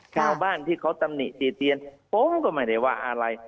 ชาวบ้านที่เขาตำหนิติเตียนผมก็ไม่ได้ว่าอะไร